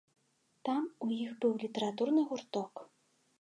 Там у іх быў літаратурны гурток.